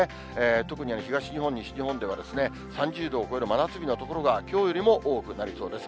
特に東日本、西日本では３０度を超える真夏日の所がきょうよりも多くなりそうです。